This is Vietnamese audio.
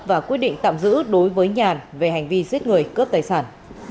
và quyết định tạm giữ đối với nhàn về hành vi giết người cướp tài sản